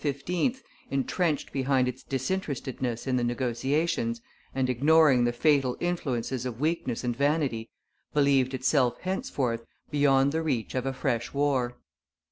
intrenched behind its disinterestedness in the negotiations, and ignoring the fatal influences of weakness and vanity, believed itself henceforth beyond the reach of a fresh war.